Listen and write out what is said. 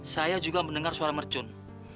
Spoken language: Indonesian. saya juga mendengar suara mercun